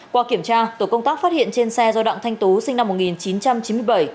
qua kiểm tra tổ công tác phát hiện trên xe do đặng thanh tú sinh năm một nghìn chín trăm chín mươi bảy